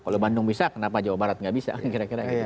kalau bandung bisa kenapa jawa barat nggak bisa kira kira gitu